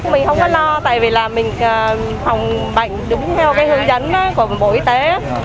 mình không có lo tại vì là mình phòng bệnh đúng theo cái hướng dẫn của bộ y tế